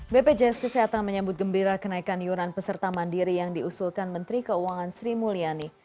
bpjs kesehatan menyambut gembira kenaikan iuran peserta mandiri yang diusulkan menteri keuangan sri mulyani